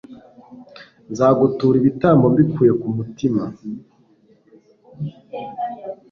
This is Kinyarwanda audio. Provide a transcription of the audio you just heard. nzagutura ibitambo mbikuye ku mutima